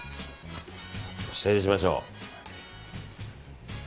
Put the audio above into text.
下ゆでしましょう。